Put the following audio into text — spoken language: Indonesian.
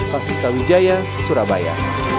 pasir ska wijaya surabaya